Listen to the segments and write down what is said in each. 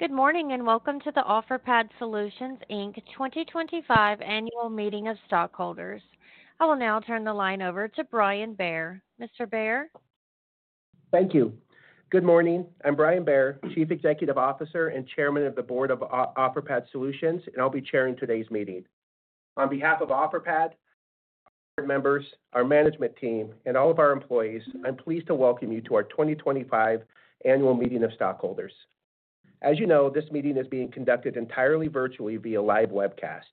Good morning and welcome to the Offerpad Solutions 2025 Annual Meeting of Stockholders. I will now turn the line over to Brian Bair. Mr. Bair? Thank you. Good morning. I'm Brian Bair, Chief Executive Officer and Chairman of the Board of Offerpad Solutions, and I'll be chairing today's meeting. On behalf of Offerpad, our members, our management team, and all of our employees, I'm pleased to welcome you to our 2025 Annual Meeting of Stockholders. As you know, this meeting is being conducted entirely virtually via live webcast.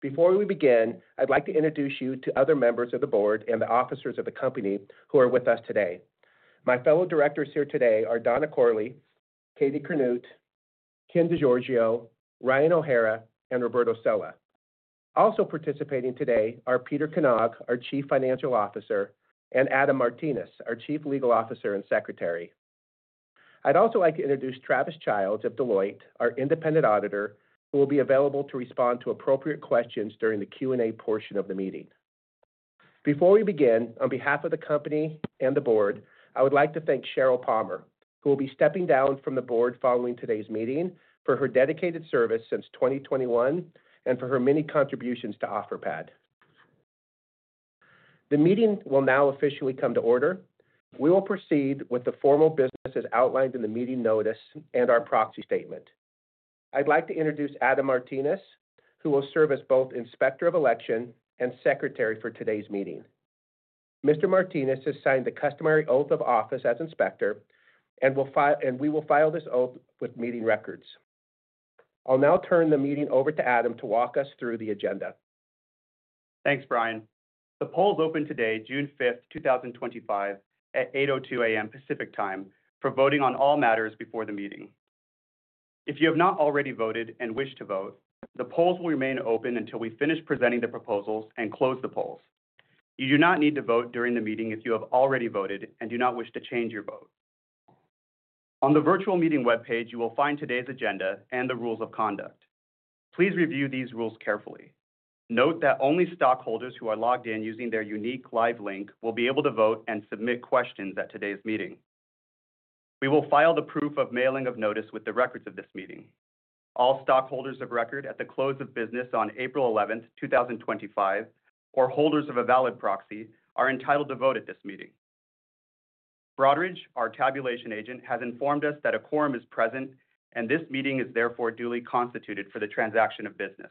Before we begin, I'd like to introduce you to other members of the board and the officers of the company who are with us today. My fellow directors here today are Donna Corley, Katie Curnutte, Kenneth DeGiorgio, Ryan O'Hara, and Roberto Sella. Also participating today are Peter Knag, our Chief Financial Officer, and Adam Martinez, our Chief Legal Officer and Secretary. I'd also like to introduce Travis Childs of Deloitte, our independent auditor, who will be available to respond to appropriate questions during the Q&A portion of the meeting. Before we begin, on behalf of the company and the board, I would like to thank Sheryl Palmer, who will be stepping down from the board following today's meeting for her dedicated service since 2021 and for her many contributions to Offerpad. The meeting will now officially come to order. We will proceed with the formal business as outlined in the meeting notice and our proxy statement. I'd like to introduce Adam Martinez, who will serve as both Inspector of Election and Secretary for today's meeting. Mr. Martinez has signed the customary oath of office as Inspector, and we will file this oath with meeting records. I'll now turn the meeting over to Adam to walk us through the agenda. Thanks, Brian. The polls open today, June 5th, 2025, at 8:02 A.M. Pacific Time for voting on all matters before the meeting. If you have not already voted and wish to vote, the polls will remain open until we finish presenting the proposals and close the polls. You do not need to vote during the meeting if you have already voted and do not wish to change your vote. On the virtual meeting webpage, you will find today's agenda and the rules of conduct. Please review these rules carefully. Note that only stockholders who are logged in using their unique live link will be able to vote and submit questions at today's meeting. We will file the proof of mailing of notice with the records of this meeting. All stockholders of record at the close of business on April 11th, 2025, or holders of a valid proxy are entitled to vote at this meeting. Broadridge, our tabulation agent, has informed us that a quorum is present, and this meeting is therefore duly constituted for the transaction of business.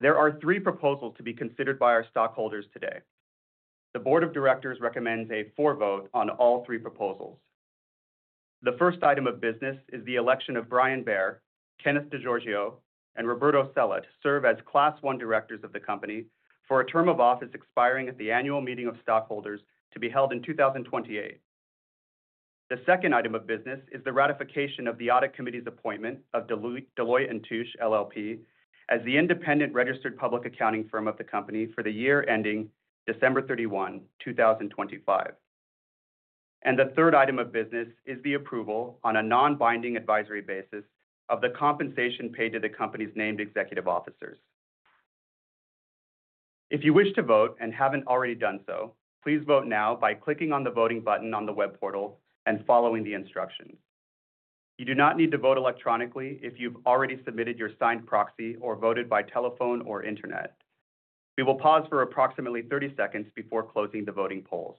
There are three proposals to be considered by our stockholders today. The board of directors recommends a for-vote on all three proposals. The first item of business is the election of Brian Bair, Kenneth DeGiorgio, and Roberto Sella to serve as Class 1 directors of the company for a term of office expiring at the annual meeting of stockholders to be held in 2028. The second item of business is the ratification of the audit committee's appointment of Deloitte & Touche LLP as the independent registered public accounting firm of the company for the year ending December 31st, 2025. The third item of business is the approval on a non-binding advisory basis of the compensation paid to the company's named executive officers. If you wish to vote and have not already done so, please vote now by clicking on the voting button on the web portal and following the instructions. You do not need to vote electronically if you have already submitted your signed proxy or voted by telephone or internet. We will pause for approximately 30 seconds before closing the voting polls.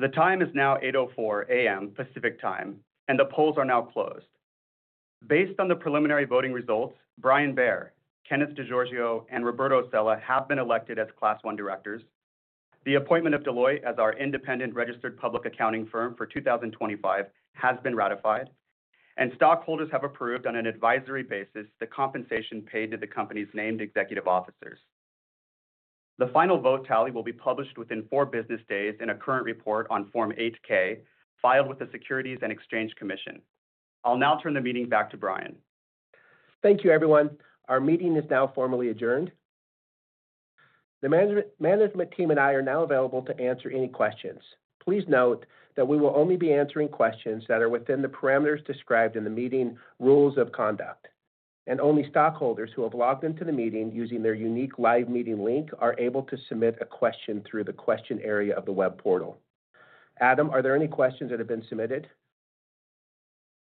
The time is now 8:04 A.M. Pacific Time, and the polls are now closed. Based on the preliminary voting results, Brian Bair, Kenneth DeGiorgio, and Roberto Sella have been elected as Class 1 directors. The appointment of Deloitte as our independent registered public accounting firm for 2025 has been ratified, and stockholders have approved on an advisory basis the compensation paid to the company's named executive officers. The final vote tally will be published within four business days in a current report on Form 8-K filed with the Securities and Exchange Commission. I'll now turn the meeting back to Brian. Thank you, everyone. Our meeting is now formally adjourned. The management team and I are now available to answer any questions. Please note that we will only be answering questions that are within the parameters described in the meeting rules of conduct, and only stockholders who have logged into the meeting using their unique live meeting link are able to submit a question through the question area of the web portal. Adam, are there any questions that have been submitted?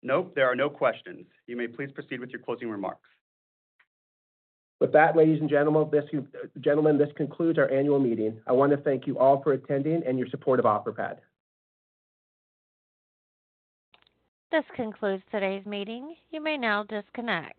Nope, there are no questions. You may please proceed with your closing remarks. With that, ladies and gentlemen, this concludes our annual meeting. I want to thank you all for attending and your support of Offerpad. This concludes today's meeting. You may now disconnect.